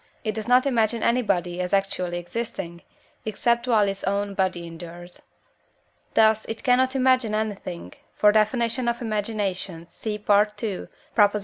it does not imagine any body as actually existing, except while its own body endures. Thus it cannot imagine anything (for definition of Imagination, see II.